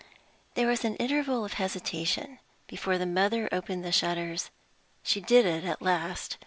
There was still an interval of hesitation before the mother opened the shutters. She did it at last.